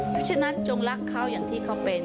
เพราะฉะนั้นจงรักเขาอย่างที่เขาเป็น